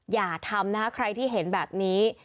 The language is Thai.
อย่าทำนะคะใครที่เห็นแบบนี้